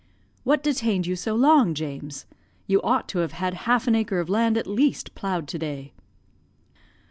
"What detained you so long, James? You ought to have had half an acre of land, at least, ploughed to day."